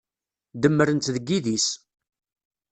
Demmren-tt deg yidis.